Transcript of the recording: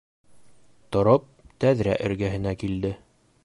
Тороп, тәҙрә эргәһенә килде.